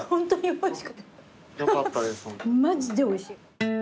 マジでおいしい。